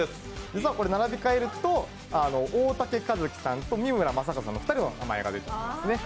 実はこれ並び替えると、大竹一樹さんと三村マサカズさんの２人の名前が出てきますね。